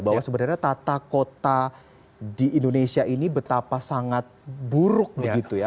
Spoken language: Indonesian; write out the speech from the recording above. bahwa sebenarnya tata kota di indonesia ini betapa sangat buruk begitu ya